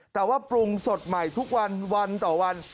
แต่ว่าปรุงสดใหม่ทุกวันวันต่อวัน